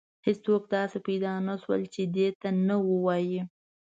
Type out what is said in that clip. هیڅوک داسې پیدا نه شول چې دې ته نه ووایي.